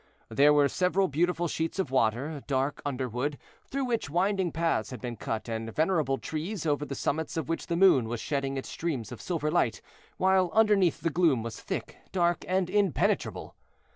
There were several beautiful sheets of water, dark underwood, through which winding paths had been cut, and venerable trees, over the summits of which the moon was shedding its streams of silver light, while underneath the gloom was thick, dark, and impenetrable.